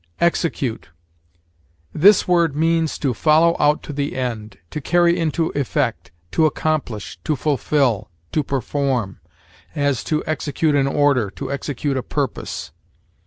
EXECUTE. This word means to follow out to the end, to carry into effect, to accomplish, to fulfill, to perform; as, to execute an order, to execute a purpose.